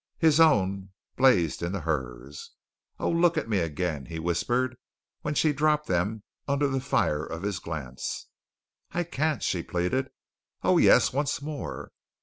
His own blazed into hers. "Oh, look at me again," he whispered, when she dropped them under the fire of his glance. "I can't," she pleaded. "Oh, yes, once more."